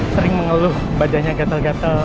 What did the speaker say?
sering mengeluh badannya gatel gatel